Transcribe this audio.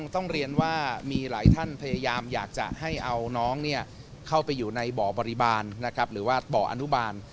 ต้องเรียนว่ามีหลายท่านพยายามอยากจะให้เอาน้องเข้าไปอยู่ในบ่อบริบาลหรือว่าบ่ออนุบาล